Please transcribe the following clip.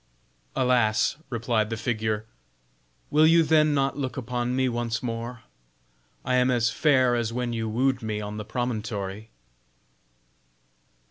"Alas!" replied the figure, "will you then not look upon me once more? I am as fair as when you wooed me on the promontory."